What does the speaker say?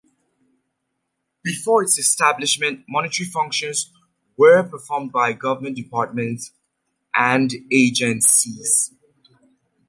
Before its establishment, monetary functions were performed by government departments and agencies.